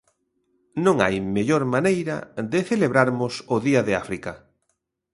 Non hai mellor maneira de celebrarmos o Día de África.